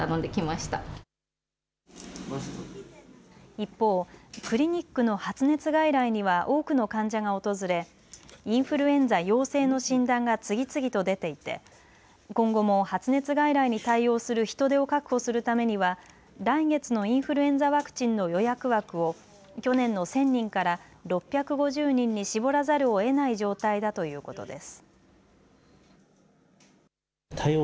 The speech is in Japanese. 一方クリニックの発熱外来には多くの患者が訪れインフルエンザ陽性の診断が次々と出ていて今後も発熱外来に対応する人手を確保するためには来月のインフルエンザワクチンの予約枠を去年の１０００人から６５０人に絞らざるをえない状態だということです。